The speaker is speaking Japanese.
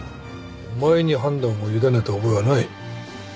お前に判断を委ねた覚えはない。